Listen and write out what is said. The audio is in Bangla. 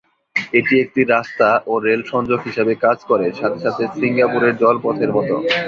এটি একটি রাস্তা ও রেল সংযোগ হিসাবে কাজ করে, সাথে সাথে সিঙ্গাপুরের জলপথের মতো।